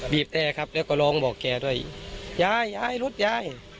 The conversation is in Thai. บีบแรครับแล้วก็ลองบอกแกด้วยย้ายย้ายรถย้าย